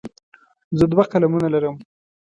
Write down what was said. زه دوه قلمونه لرم.